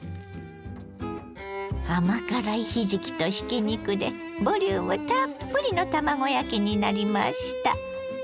甘辛いひじきとひき肉でボリュームたっぷりの卵焼きになりました。